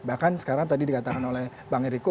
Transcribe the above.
bahkan sekarang tadi dikatakan oleh bang eriko